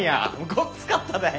ごっつかったでえ！